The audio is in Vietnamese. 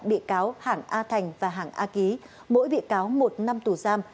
bị cáo hảng a thành và hảng a ký mỗi bị cáo một năm tù giam